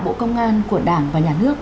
bộ công an của đảng và nhà nước